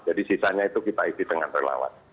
jadi sisanya itu kita isi dengan relawan